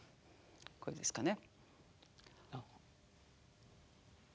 こうですかね。